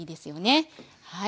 はい。